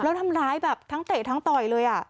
แล้วทำร้ายแบบทั้งเตะทั้งต่อยเลย